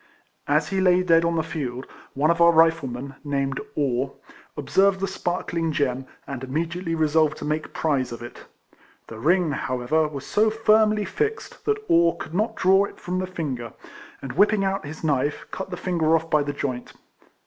As he lay dead on the field, one of our Riflemen, named Orr, observed the sparkling gem, and immediately resolved to make prize of it. The ring, however, was so firmly fixed that Orr could not draw it from the finger, and whipping out his knife cut the finger off by the joint.